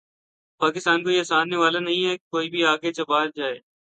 پاکستان کوئی آسان نوالہ نہیں کہ کوئی بھی آ کے چبا جائے۔